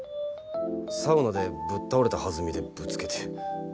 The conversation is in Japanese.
サウナでぶっ倒れた弾みでぶつけて。